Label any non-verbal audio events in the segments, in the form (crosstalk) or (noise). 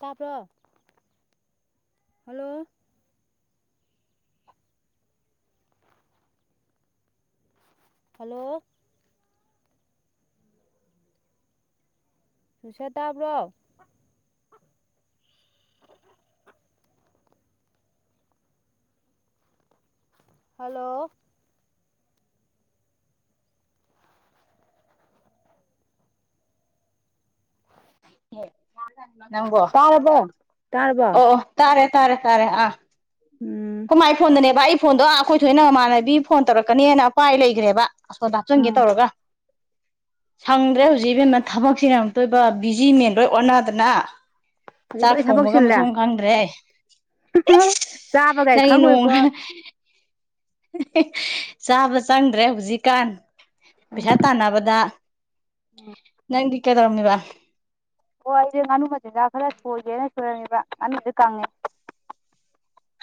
ꯇꯥꯕ꯭ꯔꯣ hello hello ꯃꯤꯁꯣ ꯇꯥꯕ꯭ꯔꯣ ꯍꯜꯂꯣ ꯅꯪꯕꯣ ꯇꯥꯔꯕꯣ ꯇꯥꯔꯕꯣ ꯑꯣ ꯇꯥꯔꯦ ꯇꯥꯔꯦ ꯇꯥꯔꯦ ꯑꯥ ꯎꯝ ꯍꯃꯥꯏ ꯐꯣꯟꯗꯅꯦꯕ ꯑꯩ ꯐꯣꯟꯗꯣ ꯑꯩꯈꯣꯏ ꯊꯣꯏꯅ ꯃꯥꯃꯟꯅꯕꯤ ꯐꯣꯟ ꯇꯧꯔꯛꯀꯅꯦꯅ ꯑꯄꯥꯏ ꯂꯩꯒꯥꯔꯦꯕ ꯑꯁꯣꯟ ꯍꯥꯞꯆꯟꯒꯦ ꯇꯧꯔꯒ (inaudible) ꯁꯪꯗ꯭ꯔꯦ ꯍꯧꯖꯤꯛ ꯢꯕꯦꯝꯃꯥ ꯊꯕꯛꯁꯤ ꯅ ꯑꯃꯨꯛ ꯇꯣꯏꯕ ꯕꯤꯖꯤ ꯃꯦꯟ ꯂꯣꯏ ꯑꯣꯟꯅꯗꯅ ꯍꯧꯖꯤꯛ ꯆꯥꯛ ꯂꯣꯏ ꯊꯕꯛ ꯊꯣꯡꯕꯒ ꯆꯤꯜꯂꯦ ꯃꯥꯊꯣꯡ ꯈꯪꯗ꯭ꯔꯦ ꯏꯁ ꯆꯥꯕꯒ ꯅꯪꯒꯤ ꯅꯣꯡ ꯈꯪꯉꯣꯏꯀꯣ ꯆꯥꯕ ꯆꯪꯗ꯭ꯔꯦ ꯍꯧꯖꯤꯛꯀꯥꯟ ꯎꯝ ꯄꯩꯁꯥ ꯇꯥꯟꯅꯕꯗ ꯅꯪꯗꯤ ꯀꯩꯗꯧꯔꯝꯃꯤꯕ ꯑꯣ ꯑꯩꯁꯦ ꯉꯥꯅꯨ ꯃꯆꯤꯟꯖꯥꯛ ꯈꯔ ꯁꯣꯏꯒꯦꯅ ꯁꯣꯏꯔꯝꯃꯦꯕ ꯉꯥꯅꯨꯁꯦ ꯀꯪꯉꯦ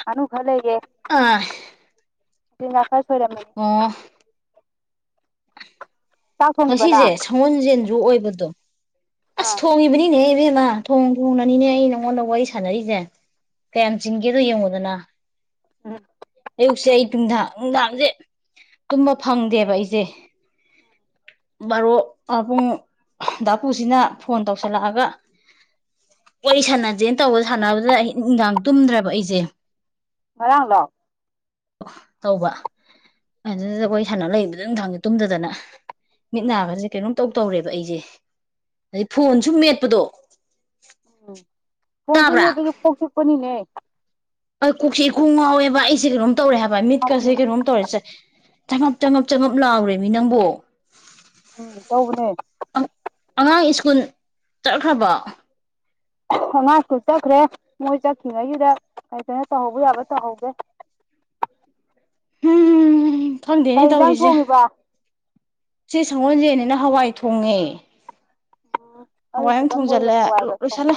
ꯉꯥꯅꯨ ꯈꯔ ꯂꯩꯔꯛꯑ ꯑꯥ (unintelligible) ꯑꯣ ꯆꯥꯛ ꯊꯣꯡꯉꯤꯕ ꯉꯁꯤꯁꯦ ꯅꯪ ꯁꯒꯣꯟꯖꯦꯟꯁꯨ ꯑꯣꯏꯕꯗꯣ ꯑꯁ ꯑꯥ ꯊꯣꯡꯉꯤ (unintelligible) ꯊꯣꯡ ꯊꯣꯡꯅꯤꯅꯦ ꯑꯩꯅ ꯅꯉꯟꯗ ꯋꯔꯤ ꯁꯥꯟꯅꯔꯤꯁꯦ ꯀꯌꯥꯝ ꯆꯤꯡꯒꯦꯗꯣ ꯌꯦꯡꯉꯣꯗꯅ ꯎꯝ ꯑꯌꯨꯛꯁꯦ ꯌꯨꯝꯗ ꯅꯨꯡꯗꯥꯡꯁꯦ ꯇꯨꯝꯕ ꯐꯪꯗꯦꯕ ꯑꯩꯁꯦ ꯕꯥꯔꯣꯛ ꯑꯥꯕꯨꯡ ꯗꯥ ꯄꯨꯁꯤꯅ ꯐꯣꯟ ꯇꯧꯁꯤꯜꯂꯛꯑꯒ ꯋꯔꯤ ꯁꯥꯟꯅꯖꯦꯅ ꯇꯧꯕ ꯁꯥꯟꯅꯕꯗꯨꯗ ꯑꯩ ꯅꯨꯡꯗꯥꯡ ꯇꯨꯝꯗ꯭ꯔꯕ ꯑꯩꯁꯦ ꯉꯔꯥꯡꯂꯣ ꯇꯧꯕ ꯑꯗꯨꯗ ꯑꯩꯈꯣꯏ ꯁꯥꯟꯅꯥ ꯂꯩꯕꯗꯨꯗ ꯅꯨꯡꯊꯪꯁꯦ ꯇꯨꯝꯗꯗꯅ ꯃꯤꯠ ꯅꯥ ꯒꯔꯁꯦ ꯀꯩꯅꯣꯝ ꯇꯧ ꯇꯧꯔꯦꯕ ꯑꯩꯖꯦ ꯑꯗꯩ ꯐꯣꯟꯁꯨ ꯃꯦꯠꯄꯗꯣ ꯑꯝ ꯐꯣꯟ ꯇꯥꯕ꯭ꯔꯥ ꯁꯨꯝꯕꯁꯨ ꯀꯣꯛꯆꯄꯅꯤꯅꯦ ꯑꯩ ꯀꯣꯛꯆꯤ ꯀꯣꯛ ꯉꯥꯎꯋꯦꯕ ꯑꯩꯁꯦ ꯀꯩꯅꯣꯝ ꯇꯧꯔꯦ ꯍꯥꯏꯕ ꯇꯧꯕꯅꯦ ꯃꯤꯠꯀꯁꯦ ꯀꯩꯅꯣꯝ ꯇꯧꯔꯁꯦ ꯆꯉꯞ ꯆꯉꯞ ꯆꯉꯞ ꯂꯥꯎꯔꯦ ꯃꯤ ꯅꯪꯕꯣ ꯎꯝ ꯇꯧꯕꯅꯦ ꯑꯥ ꯑꯉꯥꯡ ꯁ꯭ꯀꯨꯜ ꯆꯠꯈ꯭ꯔꯕꯣ ꯑꯉꯥꯡꯁꯨ ꯆꯠꯈ꯭ꯔꯦ ꯃꯣꯏ ꯆꯠꯈꯤꯉꯩꯒꯤꯗ ꯀꯩ ꯀꯩꯅꯣ ꯇꯧꯍꯧꯕ ꯌꯥꯕ ꯇꯧꯍꯧꯒꯦ ꯎꯝ ꯀꯩ ꯐꯪꯗꯦꯅꯦ ꯏꯟꯖꯥꯡ ꯇꯧꯔꯤꯁꯦ ꯊꯣꯡꯉꯤꯕ ꯁꯤ ꯁꯪꯒꯣꯜꯁꯦꯅꯤꯅ ꯍꯋꯥꯏ ꯊꯣꯡꯉꯦ ꯑꯣ ꯍꯋꯥꯏ ꯑꯃ ꯊꯣꯡꯖꯜꯂꯦ ꯂꯣ ꯂꯣꯏꯁꯤꯜꯂꯦ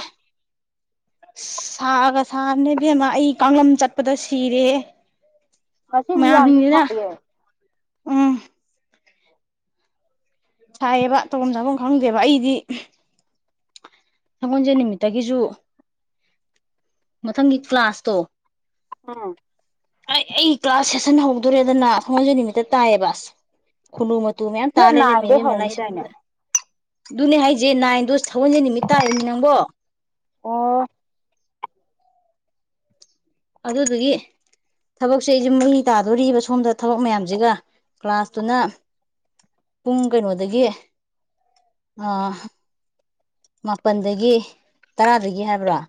ꯁꯥꯒ ꯁꯥꯕꯅꯦꯕꯦꯝꯃ ꯑꯩ ꯀꯥꯡꯂꯝ ꯆꯠꯄꯗ ꯁꯤꯔꯦ ꯉꯁꯤꯁꯤ ꯌꯥꯝꯁꯨ ꯃꯌꯥꯝꯒꯤꯅꯤꯅ ꯁꯥꯏꯌꯦ ꯎꯝ ꯁꯥꯏꯌꯦꯕ ꯇꯧꯕꯝ ꯆꯥꯕꯝ ꯈꯪꯗꯦꯕ ꯑꯩꯗꯤ ꯁꯒꯣꯟꯁꯦ ꯅꯨꯃꯤꯠꯇꯒꯤꯁꯨ ꯃꯊꯪꯒꯤ ꯀ꯭ꯂꯥꯁꯇꯣ ꯎꯝ ꯑꯩ ꯑꯩ ꯀ꯭ꯂꯥꯁ ꯁꯦꯁꯟ ꯍꯧꯗꯣꯔꯦꯗꯅꯥ ꯁꯪꯒꯣꯟꯖꯦꯟ ꯅꯨꯃꯤꯠꯇ ꯇꯥꯏꯌꯦꯕ ꯑꯁ ꯈꯨꯅꯨ ꯃꯇꯨ ꯃꯌꯥꯝ ꯗꯦꯠ ꯇꯥ ꯂꯩꯔꯝꯃꯦ ꯅꯥꯏꯟꯗꯩ ꯢꯕꯦꯝꯃ ꯍꯧꯅꯤꯗꯥꯏꯅꯦ ꯂꯥꯏꯁꯪꯖꯤꯗ ꯑꯗꯨꯅꯦ ꯍꯥꯏꯖꯦ ꯅꯥꯏꯟꯗꯣ ꯁꯒꯣꯟꯖꯦꯟ ꯅꯨꯃꯤꯠ ꯇꯥꯢꯌꯦꯃꯤ ꯅꯪꯕꯣ ꯑꯣ ꯑꯗꯨꯗꯨꯒꯤ ꯊꯕꯛꯁꯦ ꯑꯩꯖꯦ ꯃꯩ ꯇꯥꯗꯣꯔꯤꯕ ꯁꯣꯝꯗ ꯊꯕꯛ ꯃꯌꯥꯝꯖꯤꯒ ꯀ꯭ꯂꯥꯁꯇꯨꯅ ꯄꯨꯡ ꯀꯩꯅꯣꯗꯒꯤ ꯑꯥ ꯃꯥꯄꯟꯗꯒꯤ ꯇꯔꯥꯗꯒꯤ ꯍꯥꯏꯕꯔꯣ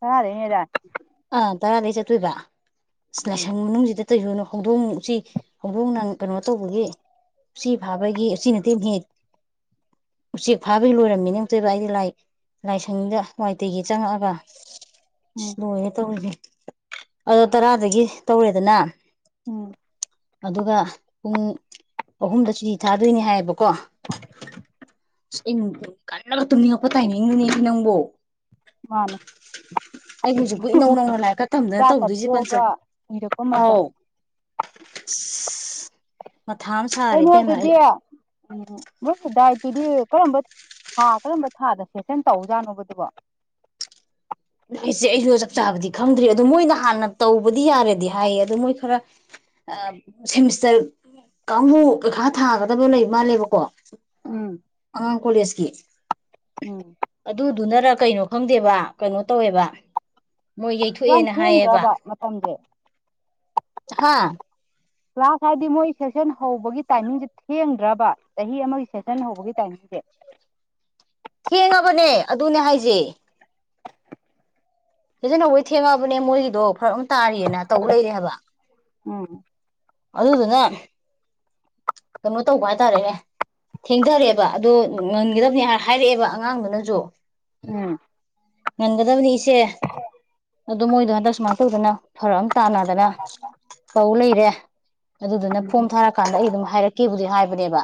ꯇꯔꯥ ꯂꯩꯅꯦꯗꯥꯢ ꯑꯥ ꯇꯔꯥꯗꯩ ꯆꯠꯇꯨꯏꯕ ꯏꯁ ꯎꯝ ꯂꯥꯢꯁꯪ ꯃꯅꯨꯡꯖꯤꯗ ꯇꯩꯔꯨꯅꯨ ꯍꯧꯗꯣꯡ ꯎꯆꯤ ꯍꯧꯗꯣꯡꯅ ꯀꯩꯅꯣ ꯇꯧꯕꯒꯤ ꯎꯆꯤ ꯐꯥꯕꯒꯤ ꯎꯆꯤ ꯅꯠꯇꯦꯅꯦꯍꯦ ꯎꯆꯦꯛ ꯐꯥꯕꯩ ꯂꯣꯏꯔꯝꯃꯤꯅꯦ ꯑꯝꯇꯣꯏꯕ ꯑꯩꯗꯤ ꯂꯥꯏ ꯂꯥꯏꯁꯪꯗ ꯋꯥꯢꯇꯩꯒꯦ ꯆꯪꯉꯛꯑꯒ ꯢꯁ ꯎꯝ ꯂꯣꯏꯔꯦ ꯇꯧꯔꯤꯖꯦ ꯑꯗꯣ ꯇꯔꯥꯗꯒꯤ ꯇꯧꯔꯦꯗꯅꯥ ꯎꯝ ꯑꯗꯨꯒ ꯄꯨꯡ ꯑꯍꯨꯝꯗ ꯁꯨꯇꯤ ꯊꯥꯗꯨꯏꯅꯤ ꯍꯥꯏꯌꯦꯕꯀꯣ (unintelligible) ꯀꯟꯅꯒ ꯇꯨꯝꯅꯤꯡꯉꯛꯄ ꯇꯥꯏꯃꯤꯡꯗꯨꯅꯦꯃꯤ ꯅꯪꯕꯣ ꯃꯥꯅꯦ ꯑꯩ ꯍꯧꯖꯤꯛꯄꯨ ꯏꯅꯧ ꯅꯧꯅ ꯂꯥꯏꯔꯤꯛꯀ ꯇꯝꯗꯅ ꯆꯥꯛꯀ ꯇꯧꯗꯨꯏꯖꯦ ꯄꯟꯆ ꯇꯣꯛꯑꯒ ꯎꯏꯔꯛꯄ ꯃꯇꯝ ꯑꯥꯎ (unintelligible) ꯃꯊꯥ ꯑꯃ ꯁꯥ ꯀꯩꯅꯣ ꯑꯗꯨꯗꯤ ꯎꯝ ꯃꯣꯏꯁꯦ ꯗꯥꯏꯠꯇꯨꯗꯤ ꯀꯔꯝꯕ ꯊꯥ ꯀꯔꯝꯕ ꯊꯥꯗ ꯁꯦꯁꯟ ꯇꯧꯖꯥꯠꯅꯣꯕ ꯗꯨꯕꯣ ꯑꯩꯁꯦ ꯑꯩꯗꯣ ꯆꯞ ꯆꯥꯕꯗꯤ ꯈꯪꯗ꯭ꯔꯤ ꯑꯗꯣ ꯃꯣꯏꯅ ꯍꯥꯟꯅ ꯇꯧꯕꯗꯤ ꯌꯥꯔꯦꯗꯤ ꯍꯥꯏꯌꯦ ꯑꯗꯣ ꯃꯣꯏ ꯈꯔ ꯑ ꯁꯦꯃꯤꯁꯇꯔ ꯀꯥꯡꯕꯨ ꯄꯩꯈꯥ ꯊꯥꯒꯗꯕ ꯂꯩꯕ ꯃꯥꯜꯂꯦꯕꯀꯣ ꯎꯝ ꯑꯉꯥꯡ ꯀꯣꯂꯦꯁꯀꯤ ꯎꯝ ꯑꯗꯨꯗꯨꯅꯔ ꯀꯩꯅꯣ ꯈꯪꯗꯦꯕ ꯀꯩꯅꯣ ꯇꯧꯋꯦꯕ ꯃꯣꯏ ꯌꯥꯝ ꯌꯩꯊꯣꯛꯑꯦꯅ ꯍꯥꯏꯌꯦꯕ ꯊꯦꯡꯗ꯭ꯔꯕ ꯃꯇꯝꯁꯦ ꯍꯥ ꯀ꯭ꯂꯥꯁ ꯍꯥꯏꯗꯤ ꯃꯣꯏ ꯁꯦꯁꯟ ꯍꯧꯕꯒꯤ ꯇꯥꯏꯃꯤꯡꯖꯦ ꯊꯦꯡꯗ꯭ꯔꯥꯕ ꯆꯍꯤ ꯑꯃꯒꯤ ꯁꯦꯁꯟ ꯍꯧꯕꯒꯤ ꯇꯥꯏꯃꯤꯡꯖꯦ ꯊꯦꯡꯉꯕꯅꯦ ꯑꯗꯨꯅꯦ ꯍꯥꯏꯖꯦ ꯁꯦꯁꯟ ꯍꯧꯕꯩ ꯊꯦꯡꯉꯑꯕꯅꯦ ꯃꯣꯏꯒꯤꯗꯣ ꯐꯔꯛ ꯑꯝ ꯇꯥꯔꯤꯌꯦꯅ ꯇꯧ ꯂꯩꯔꯦ ꯍꯥꯏꯕ ꯎꯝ ꯑꯗꯨꯗꯨꯅ ꯀꯩꯅꯣ ꯇꯧꯕ ꯍꯥꯏꯇꯥꯔꯦꯅꯦ ꯊꯦꯡꯗꯔꯦꯕ ꯑꯗꯣ ꯉꯟꯒꯗꯕꯅꯤ ꯍꯥꯏ ꯍꯥꯏꯔꯛꯑꯦꯕ ꯑꯉꯥꯡꯗꯨꯅꯖꯨ ꯎꯝ ꯉꯟꯒꯗꯕꯅꯤ ꯏꯆꯦ ꯑꯗꯨ ꯃꯣꯏꯗꯣ ꯍꯟꯇꯛ ꯁꯨꯃꯥꯏ ꯇꯧꯗꯅ ꯐꯔꯛ ꯑꯝ ꯇꯥꯅ ꯗꯅ ꯇꯧ ꯂꯩꯔꯦ ꯑꯗꯨꯗꯨꯅ ꯐꯣꯝ ꯊꯥꯔꯛ ꯀꯥꯟꯗ ꯑꯩ ꯑꯗꯨꯝ ꯍꯥꯏꯔꯛꯀꯦꯕꯨꯗꯤ ꯍꯥꯏꯕꯅꯦꯕ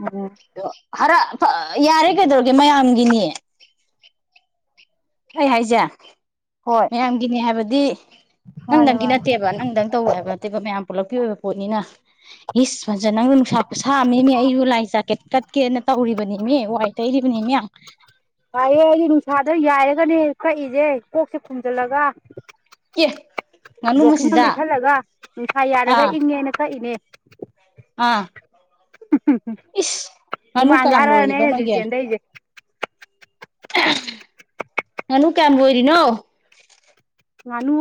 ꯎꯝ ꯗꯣ ꯍꯥꯔ ꯐ ꯌꯥꯔꯦ ꯀꯩꯗꯧꯔꯒꯦ ꯃꯌꯥꯝꯒꯤꯅꯤ ꯑꯩ ꯍꯥꯏꯖꯦ ꯍꯣꯏ ꯃꯌꯥꯝꯒꯤꯅꯦ ꯍꯥꯏꯕꯗꯤ ꯃꯥꯅꯦ ꯅꯪꯗꯪꯒꯤ ꯃꯥꯅꯦ ꯅꯠꯇꯦꯕ ꯅꯪꯗꯪ ꯇꯧꯔꯣꯢ ꯍꯥꯢꯕ ꯅꯠꯇꯦꯕ ꯃꯌꯥꯝ ꯄꯨꯜꯂꯞꯀꯤ ꯑꯣꯏꯕ ꯄꯣꯠꯅꯤꯅ ꯏꯁ (unintelligible) ꯅꯪꯕꯨ ꯅꯨꯡꯁꯥ ꯈꯨꯁꯥꯑꯝꯅꯦꯃꯤ ꯑꯩꯖꯨ ꯂꯥꯏ (unintelligible) ꯀꯠꯀꯦꯅ ꯇꯧꯔꯤꯕꯅꯦꯃꯤ ꯋꯥꯏ ꯇꯩꯔꯤꯕꯅꯤꯃꯤ (unintelligible) ꯑꯩꯗꯤ ꯅꯨꯡꯁꯥꯗ ꯌꯥꯏꯔꯒꯅꯦ ꯀꯛꯏꯖꯦ ꯀꯣꯛꯁꯦ ꯈꯨꯝꯖꯜꯂꯒ ꯑꯦ ꯉꯥꯅꯨ ꯖꯣꯀꯤꯡꯒ ꯃꯆꯤꯟꯖꯥꯛ ꯂꯤꯠꯁꯜꯂꯒ ꯅꯨꯡꯁꯥ ꯌꯥꯏꯔꯒ ꯑꯥ ꯏꯪꯉꯦꯅ ꯀꯛꯏꯅꯦ ꯑꯥ ꯏꯁ ꯉꯥꯅꯨ ꯍꯨꯃꯥꯡ ꯀꯌꯥꯝ ꯀꯥꯔꯅꯦ ꯑꯩꯅ ꯂꯣꯏꯔꯤꯕ ꯍꯧꯖꯤꯛ ꯅꯣꯏꯒꯤ ꯆꯦꯟꯗꯩꯖꯦ ꯉꯥꯅꯨ ꯀꯌꯥꯝ ꯂꯣꯏꯔꯤꯅꯣ ꯉꯥꯅꯨ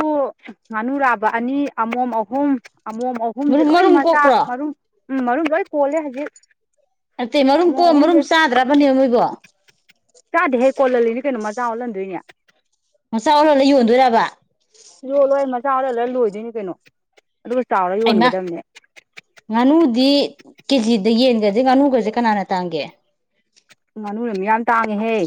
ꯉꯥꯅꯨ ꯂꯥꯕ ꯑꯅꯤ ꯑꯃꯣꯝ ꯑꯍꯨꯝ ꯑꯃꯣꯝ (unintelligible) ꯑꯍꯨꯝꯖꯦ ꯃꯔꯨꯝ ꯂꯣꯏ ꯃꯔꯨꯝ ꯃꯆꯥ ꯀꯣꯛꯄ꯭ꯔꯣ ꯃꯔꯨꯝ ꯎꯝ ꯃꯔꯨꯝ ꯂꯣꯏ ꯀꯣꯜꯂꯦ ꯍꯧꯖꯤꯛ ꯅꯠꯇꯦ ꯃꯔꯨꯝ ꯑꯃꯣꯝ ꯀꯣꯛꯑ ꯃꯔꯨꯝ ꯑꯍꯨꯝꯁꯦ ꯆꯥꯗ꯭ꯔꯕꯅꯦ ꯅꯣꯏꯕꯨ ꯆꯥꯗꯦꯍꯦ ꯀꯣꯜꯍꯜꯂꯤꯅꯤ ꯀꯩꯅꯣ ꯃꯆꯥ ꯑꯣꯜꯍꯟꯗꯣꯏꯅꯤ ꯃꯆꯥ ꯑꯣꯜꯍꯟꯂꯥ ꯌꯣꯟꯗꯣꯏꯔꯕ ꯌꯣꯜꯂꯣꯏ ꯃꯆꯥ ꯑꯣꯜꯍꯟꯂꯥ ꯂꯣꯏꯗꯣꯏꯅꯤ ꯀꯩꯅꯣ ꯑꯗꯨꯒ ꯆꯥꯎꯔꯥ ꯑꯩꯃ ꯌꯣꯟꯒꯗꯝꯅꯦ ꯉꯥꯅꯨꯗꯤ ꯀꯦꯖꯤꯗ ꯌꯦꯟꯒꯖꯦ ꯉꯥꯅꯨꯒꯖꯦ ꯀꯅꯥꯅ ꯇꯥꯡꯒꯦ ꯉꯥꯅꯨꯅ ꯃꯌꯥꯝ ꯇꯥꯡꯉꯦꯍꯦ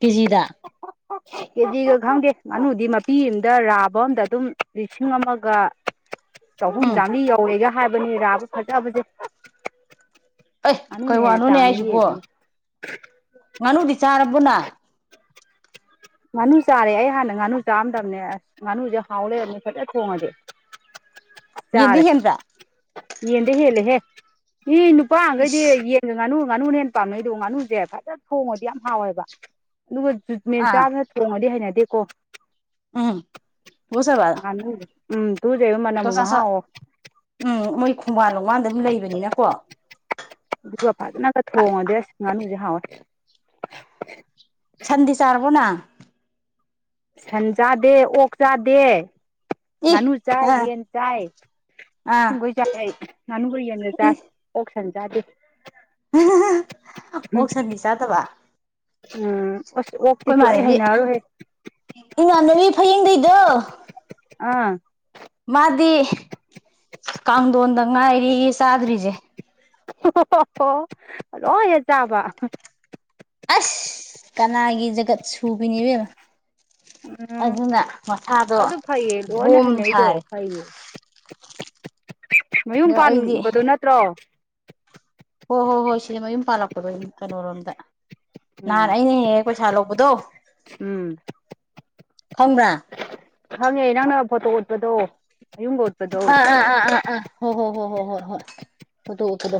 ꯀꯦꯖꯤꯗ (unintelligible) ꯀꯦꯖꯤꯒ ꯈꯪꯗꯦ ꯉꯥꯅꯨꯗꯤ ꯃꯄꯤ ꯑꯝꯗꯥ ꯂꯥꯕ ꯑꯝꯗꯥ ꯑꯗꯨꯝ ꯂꯤꯁꯤꯡ ꯑꯃꯒ ꯆꯍꯨꯝ ꯎꯝ ꯆꯥꯝꯕ꯭ꯔꯤ ꯌꯧꯔꯦꯒ ꯍꯥꯏꯕꯅꯤ ꯂꯥꯕ ꯐꯖꯕꯖꯦ ꯑꯦ ꯀꯩ ꯋꯥꯅꯣꯅꯦ ꯍꯥꯏꯖꯤꯕꯨ ꯉꯥꯅꯨꯗꯤ ꯆꯥꯔꯕꯣ ꯅꯪ ꯉꯥꯅꯨ ꯆꯥꯔꯦ ꯑꯩ ꯍꯥꯟꯅ ꯉꯥꯅꯨ ꯆꯥꯔꯝꯗꯝꯅꯦ ꯑꯁ ꯉꯥꯅꯨꯖꯦ ꯍꯥꯎ ꯂꯩꯔꯝꯃꯦ ꯐꯖ ꯊꯣꯡꯉꯗꯤ ꯌꯦꯟꯗꯤ ꯆꯥꯔꯦ ꯍꯦꯟꯕ꯭ꯔꯥ ꯌꯦꯟꯗꯤ ꯍꯦꯜꯂꯤꯍꯦ ꯃꯤ ꯅꯨꯄꯥꯒꯩꯗꯤ ꯏꯁ ꯌꯦ ꯉꯥꯅꯨ ꯉꯥꯅꯨꯅ ꯍꯦꯟ ꯄꯥꯝꯅꯩꯗꯣ ꯉꯥꯅꯨꯖꯦ ꯐꯖ ꯊꯣꯡꯉꯗꯤ ꯌꯥꯝ ꯍꯥꯎꯋꯦꯕ ꯑꯗꯨꯒ ꯖꯨꯠ ꯑꯥ ꯆꯥꯗꯅ ꯊꯣꯡꯉꯗꯤ ꯍꯩꯅꯗꯦꯀꯣ ꯎꯝ ꯇꯨꯒꯠꯆꯕ ꯎꯝ ꯇꯨꯒꯠꯆꯩꯕ ꯃꯅꯝ ꯃꯍꯥꯎ (unintelligible) ꯎꯝ ꯃꯣꯏ ꯈꯣꯡꯕꯥꯟ ꯂꯣꯡꯕꯥꯥꯟꯗ (unintelligible) ꯂꯩꯕꯅꯤꯅꯀꯣ ꯑꯗꯨꯒ ꯐꯖꯅꯒ ꯊꯣꯡꯉꯗꯤ ꯑꯁ ꯉꯥꯅꯨꯖꯦ ꯍꯥꯎꯋꯦ ꯁꯟꯗꯤ ꯆꯥꯔꯕꯣ ꯅꯪ ꯁꯟ ꯆꯥꯗꯦ ꯑꯣꯛ ꯆꯥꯗꯦ ꯏ ꯉꯥꯅꯨ ꯆꯥꯏ ꯑꯥ ꯌꯦꯟ ꯆꯥꯏ ꯑꯥ ꯁꯤꯡꯒꯣꯏ ꯆꯥꯏ ꯑꯩ ꯉꯥꯅꯨꯒ ꯌꯦꯟꯒ ꯏ ꯆꯥꯏ ꯑꯣꯛ ꯁꯟ ꯆꯥꯗꯦ ꯑꯣꯛ ꯁꯟꯗꯤ ꯆꯥꯗꯕ ꯎꯝ ꯑꯁ ꯑꯣꯛꯇꯤ ꯑꯩꯈꯣꯏ ꯁꯨꯡꯍꯩ ꯏꯃꯥꯟꯅꯕꯤ ꯍꯩꯅꯔꯣꯏꯍꯦ ꯏꯃꯥꯟꯅꯕꯤ ꯐꯌꯦꯡꯗꯩꯗꯣ ꯑꯥ ꯃꯥꯗꯤ ꯀꯥꯡꯗꯣꯟꯗ ꯉꯥꯏꯔꯦꯌꯦ ꯆꯥꯗ꯭ꯔꯤꯖꯦ (unintelligible) ꯂꯣꯏꯅ ꯆꯥꯕ ꯑꯁ ꯀꯅꯥꯒꯤ ꯖꯒꯠ ꯁꯨꯕꯤꯅꯤ ꯏꯕꯦꯝꯃꯥ ꯎꯝ ꯑꯗꯨꯅ ꯃꯁꯥꯗꯣ ꯑꯗꯨ ꯐꯩꯌꯦ ꯂꯣꯏꯅ ꯕꯣꯝ ꯁꯥꯔꯦ (unintelligible) ꯃꯌꯨꯝ ꯑꯗꯣ ꯑꯩꯗꯤ ꯄꯥꯟꯕꯗꯣ ꯅꯠꯇ꯭ꯔꯣ ꯍꯣ ꯍꯣ ꯍꯣꯏ ꯁꯤꯗ ꯃꯌꯨꯝ ꯄꯥꯜꯂꯛꯄꯗꯣ ꯀꯩꯅꯣꯔꯣꯝꯗ ꯎꯝ ꯅꯍꯥꯟ ꯑꯩꯅ ꯍꯦꯛ ꯍꯦꯛ ꯄꯩꯁꯥ ꯂꯧꯕꯗꯣ ꯎꯝ ꯈꯪꯕ꯭ꯔꯥ ꯈꯪꯉꯦ ꯅꯪꯅ ꯐꯣꯇꯣ ꯎꯠꯄꯗꯣ (unintelligible) ꯑꯥ ꯑꯥ ꯑꯥ ꯑꯥ ꯑꯥ ꯍꯣ ꯍꯣ ꯍꯣ ꯍꯣ ꯍꯣ ꯍꯣꯏ ꯑꯣꯇꯣꯎꯞꯄꯗꯣ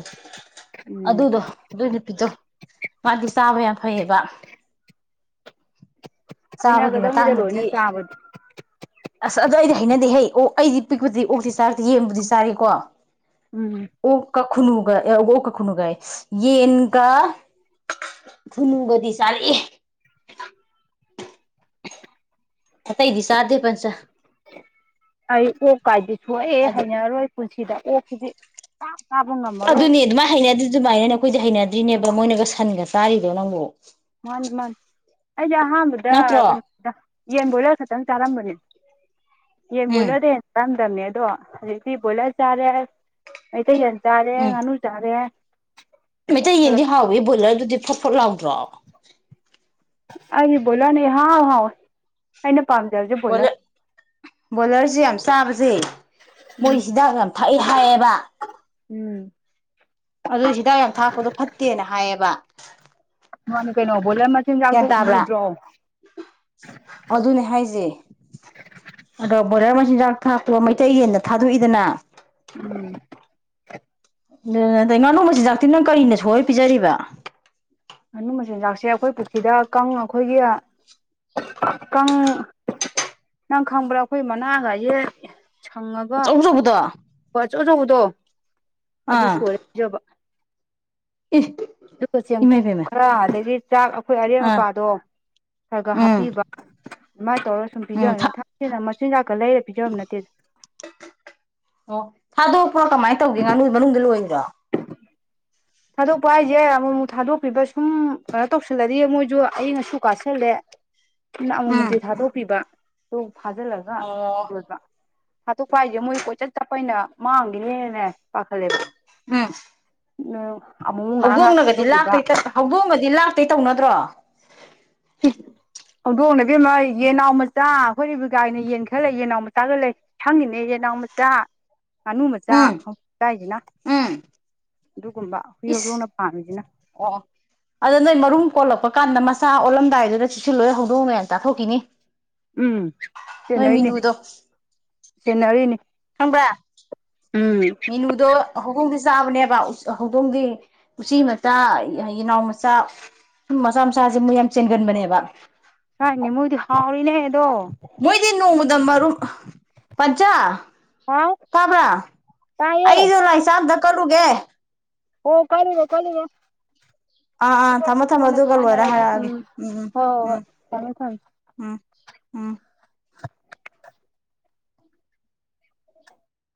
ꯎꯝ ꯑꯗꯨꯗꯣ ꯑꯗꯨꯏ ꯅꯨꯄꯤꯠꯇꯣ ꯃꯥꯗꯤ ꯆꯥꯕ ꯌꯥꯝ ꯐꯩꯌꯦꯕ ꯆꯥꯕꯒꯤ ꯍꯩꯅꯒꯗꯝꯅꯤꯗ ꯃꯇꯥꯡꯗꯗꯤ ꯂꯣꯏꯅ ꯆꯥꯕꯗꯤ ꯑꯁ ꯑꯗꯣ ꯑꯩꯗꯤ ꯍꯩꯅꯗꯦ ꯍꯩ ꯑꯣꯛ ꯑꯩꯗꯤ ꯄꯤꯛꯄꯗꯤ ꯑꯣꯛꯇꯤ ꯆꯥꯔꯛꯇꯦ ꯌꯦꯡꯕꯨꯗꯤ ꯆꯥꯔꯦꯀꯣ ꯎꯝ ꯑꯣꯛ ꯀ ꯈꯨꯅꯒ ꯑꯣ ꯑꯣꯛꯀ ꯈꯨꯅꯨꯒꯌꯦ ꯌꯦꯟꯒ ꯊꯨꯅꯨꯒꯗꯤ ꯆꯔꯛꯑꯦ ꯑꯇꯩꯩꯗꯤꯆꯗꯦ ꯄꯟꯆ ꯑꯩ ꯑꯣꯛ ꯀꯥꯏꯗꯤ ꯁꯣꯛꯍꯩ ꯑꯗꯨ ꯍꯩꯅꯔꯔꯣꯏ ꯄꯨꯟꯁꯤꯗ ꯑꯣꯛꯁꯤꯗꯤ ꯄꯥꯛ ꯆꯥꯕ ꯉꯝꯃꯔꯣꯏ ꯑꯗꯨꯅꯦ ꯑꯗꯨꯃꯥꯏ ꯍꯥꯏꯟꯗ ꯗꯨ ꯑꯗꯨꯃꯥꯏꯅꯅꯦ ꯎꯝ ꯍꯩꯅꯗ꯭ꯔꯤꯅꯦꯕ ꯃꯣꯏꯅꯒ ꯁꯟꯒ ꯆꯥꯔꯤꯗꯣ ꯅꯪꯕꯣ (unintelligible) ꯑꯩꯗꯤꯑꯍꯥꯥꯟꯕꯗ ꯅꯠꯇ꯭ꯔꯣ ꯌꯦꯟꯕꯣꯏꯂ ꯈꯇꯪ ꯆꯥꯔꯝꯕꯅꯦ ꯌꯦꯟ ꯎꯝ ꯕꯣꯏꯂꯗ ꯆꯝꯗꯝꯅꯦ ꯑꯗꯣ ꯍꯧꯖꯤꯛꯇꯤ ꯕꯣꯏꯂꯔ ꯆꯥꯔꯦ ꯃꯩꯇꯩꯂꯣꯟ ꯆꯥꯔꯦ ꯎꯝ ꯉꯥꯅꯨ ꯆꯥꯔꯦ ꯃꯩꯇꯩ ꯌꯦꯟꯗꯤ ꯍꯥꯎꯏꯤ ꯕꯣꯏꯂꯔꯗꯨꯗꯤ ꯐꯣꯠ ꯐꯣꯠ ꯂꯥꯎꯗ꯭ꯔꯣ ꯑꯩꯗꯤ ꯕꯣꯏꯂꯅ ꯏꯍꯥꯎ ꯍꯥꯎꯏꯤ ꯑꯩꯅ ꯄꯥꯝꯖꯕ (inaudible) ꯕꯣꯏꯂꯔꯖꯦ ꯌꯥꯝ ꯆꯥꯕꯖꯦ ꯃꯣꯏ ꯍꯤꯗꯥꯛ ꯌꯥꯝ ꯊꯛꯑꯦ ꯍꯥꯏꯌꯦꯕ ꯎꯝ ꯑꯗꯨ ꯍꯤꯗꯥꯛ ꯌꯥꯝ ꯊꯥꯛꯄꯗꯣ ꯐꯠꯇꯦꯅ ꯍꯥꯏꯌꯦꯕ ꯃꯅꯦ ꯀꯩꯅꯣ ꯕꯣꯏꯂ ꯃ ꯌꯥꯟꯇꯥꯕ꯭ꯔꯥ ꯑꯗꯨꯅꯦ ꯍꯥꯏꯖꯦ ꯑꯗ ꯕꯣꯏꯂꯔ ꯃꯆꯤꯟꯖꯥꯛ ꯃꯩꯇꯩ ꯌꯦꯟꯗ ꯊꯥꯗꯣꯛꯏꯗꯅ ꯎꯝ ꯗꯩ ꯉꯥꯅꯨ ꯃꯆꯤꯟꯖꯥꯛꯇꯤ ꯅꯪ ꯀꯔꯤꯅ ꯁꯣꯏ ꯄꯤꯖꯔꯤꯕ ꯉꯥꯅꯨ ꯃꯆꯤꯟꯖꯥꯛꯁꯦ ꯑꯈꯣꯏ ꯄꯨꯈꯤꯗ ꯀꯥꯡ ꯑꯈꯣꯏꯒꯤ ꯀꯪ ꯅꯪꯈꯥꯡꯕ꯭ꯔꯥ ꯑꯈꯣꯏ ꯃꯅꯒꯥꯏꯖꯦ ꯁꯪꯉꯒ ꯑꯆꯧ ꯑꯆꯧꯕꯗꯣ (unintelligible) ꯑꯆꯧ ꯑꯆꯧꯕꯗꯣ ꯑꯗꯨ ꯑꯥ ꯁꯣꯏꯔ ꯏ ꯑꯗꯨꯒ ꯏꯃꯥꯏ ꯆꯦꯡꯀꯨꯞ ꯄꯦꯝꯃ ꯈꯔ ꯑꯗꯒꯤ ꯆꯥꯛ ꯑꯈꯣꯏ ꯑꯔꯦꯝ ꯑꯥ ꯃꯄꯥꯗꯣ ꯈꯔ ꯈꯔ ꯎꯝ ꯍꯥꯞꯄꯤꯕ ꯑꯗꯨꯃꯥꯏꯅ ꯇꯧꯔꯒ ꯁꯨꯝ ꯄꯤꯖ ꯎꯝ ꯊꯥ ꯁꯤꯅ ꯃꯆꯤꯟꯖꯥꯛꯀ ꯂꯩꯔ ꯄꯤꯖꯕ ꯅꯠꯇꯦꯗ ꯑꯣ ꯊꯥꯗꯣꯛꯄ꯭ꯔꯣ ꯀꯃꯥꯏ ꯇꯧꯒꯦ ꯉꯥꯅꯨ ꯃꯅꯨꯡꯗ ꯂꯣꯏꯔꯤꯔꯣ ꯊꯥꯗꯣꯛꯄ ꯍꯥꯏꯖꯦ ꯑꯃꯨꯛ ꯑꯃꯨꯛ ꯊꯥꯗꯣꯛꯄꯤꯕ ꯁꯨꯝ ꯀꯩꯅꯣ ꯇꯧꯁꯜꯂꯗꯤ ꯃꯣꯏꯁꯨ ꯑꯏꯪ ꯑꯁꯨ ꯀꯥꯥꯁꯜꯂꯦ ꯅ ꯎꯝ ꯑꯃꯨꯛꯃꯨꯛꯇꯤ ꯊꯥꯗꯣꯛꯄꯤꯕ ꯇꯨ ꯐꯥꯖꯤꯜꯂꯒ ꯑꯣ ꯂꯣꯏꯕ ꯍꯥꯠꯇꯣꯛꯄ ꯍꯥꯏꯖꯦ ꯃꯣꯏ ꯀꯣꯏꯆꯠ ꯆꯞꯄꯅ ꯃꯥꯡꯒꯤꯅꯤꯅꯦ ꯄꯥꯈꯠꯂꯦꯕ ꯎꯝ (inaudible) ꯉꯥꯏꯍꯥꯛ ꯉꯥꯏꯍꯥꯛ ꯍꯧꯗꯣꯡꯅꯒꯗꯤ ꯊꯥꯗꯣꯛꯄꯤꯕ ꯂꯥꯛꯇꯩ ꯍꯧꯗꯣꯡꯒꯗꯤ ꯂꯥꯛꯇꯩ ꯇꯧꯅꯗ꯭ꯔꯣ ꯍꯧꯗꯣꯡꯅ ꯏꯕꯦꯝꯃ ꯌꯦꯅꯥꯎ ꯃꯆꯥ ꯑꯩꯈꯣꯏꯔꯤꯕꯀꯥꯏꯅ ꯌꯦꯟ ꯈꯔ ꯂꯩ ꯌꯦꯟꯅꯥꯎ ꯃꯆꯥꯒ ꯂꯩ ꯁꯪꯉꯤꯅꯦ ꯌꯦꯅꯥꯎ ꯃꯆꯥ ꯉꯥꯅꯨ ꯃꯆꯥ ꯎꯝ ꯍꯧꯖꯤ ꯆꯥꯏꯖꯤꯅ ꯎꯝ ꯑꯗꯨꯒꯨꯝꯕ ꯍꯨꯏ ꯍꯧꯗꯣꯡꯅ ꯄꯥꯝꯃꯤꯖꯤꯅ ꯑꯣ ꯑꯗꯣ ꯅꯣꯏ ꯃꯔꯨꯝ ꯀꯣꯜꯂꯛꯄ ꯀꯥꯟꯗ ꯃꯆꯥ ꯑꯣꯜꯂꯝꯗꯥꯏꯗꯨꯗ ꯆꯤꯁꯤꯜꯂꯨꯍꯦ ꯍꯧꯗꯣꯡꯅ ꯌꯝ ꯇꯥꯊꯣꯛꯈꯤꯅꯤ ꯎꯝ ꯁꯦꯟꯅꯩꯅꯦ ꯁꯦꯟꯅꯔꯤꯅꯤ ꯈꯪꯕꯔꯥ ꯎꯝ ꯃꯤꯅꯨꯗꯣ ꯍꯧꯗꯣꯡꯗꯤ ꯆꯥꯕꯅꯦꯕ ꯍꯧꯗꯣꯡꯗꯤ ꯎꯆꯤ ꯃꯆꯥ ꯌꯦꯅꯥꯎ ꯃꯆꯥ ꯁꯨꯝꯕ ꯃꯆꯥ ꯃꯆꯥꯁꯦ ꯃꯣꯏꯗꯤ ꯌꯥꯝ ꯆꯦꯟꯒꯟꯕꯅꯦꯕ ꯃꯣꯏꯗꯤ ꯍꯥꯎꯔꯤꯅꯦ ꯑꯗꯣ ꯃꯣꯏꯗꯤꯅꯣꯡꯃꯗ ꯃꯔꯨꯞ ꯄꯆꯥ ꯍꯥꯎ ꯇꯥꯕ꯭ꯔꯥ ꯇꯥꯏꯌꯦ ꯑꯩꯁꯨ ꯂꯥꯏ ꯆꯥꯛ ꯑꯝꯇꯥ ꯀꯠꯂꯨꯒꯦ ꯍꯣꯏ ꯀꯠꯂꯨꯔꯣ ꯀꯠꯂꯨꯔꯣ ꯑꯥ ꯑꯥ ꯊꯝꯃꯣ ꯊꯝꯃꯣ ꯀꯣꯟꯅ ꯑꯗꯨꯒ ꯂꯣꯏꯔ ꯁꯥꯅꯥꯔꯥꯁꯤ ꯍꯥꯏꯔꯛꯑꯒꯦ ꯍꯣꯏ ꯎꯝ ꯎꯝ ꯍꯣꯏ ꯎꯝ ꯊꯝꯃꯦ ꯊꯝꯃꯦ ꯎꯝ ꯎꯝ (unintelligible)